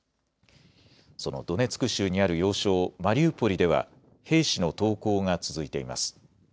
そのドネツク州にある要衝マリウポリでは兵士の投降が続いています。